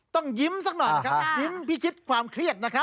ต้องยิ้มสักหน่อยนะครับยิ้มพิชิตความเครียดนะครับ